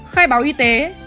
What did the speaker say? khai báo y tế